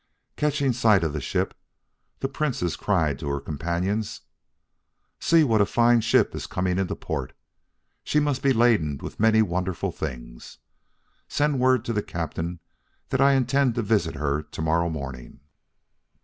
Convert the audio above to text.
Catching sight of the ship, the Princess cried to her companions: "See what a fine ship is coming into port! She must be laden with many wonderful things. Send word to the Captain that I intend to visit her to morrow morning."